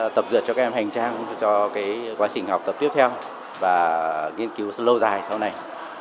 tập dượt cho các em hành trang cho quá trình học tập tiếp theo và nghiên cứu lâu dài sau này